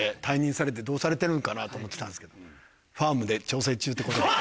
退任されてどうされてるんかなと思ってたんですけどファームで調整中ってこと。